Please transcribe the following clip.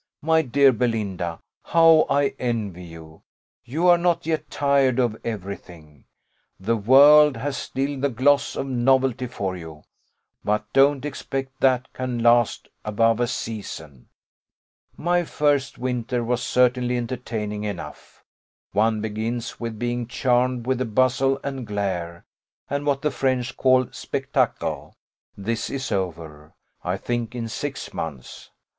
My dear Belinda, how I envy you! You are not yet tired of every thing. The world has still the gloss of novelty for you; but don't expect that can last above a season. My first winter was certainly entertaining enough. One begins with being charmed with the bustle and glare, and what the French call spectacle; this is over, I think, in six months.